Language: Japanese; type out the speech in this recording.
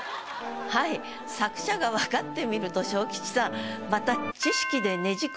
はい作者が分かってみると昇吉さんまた。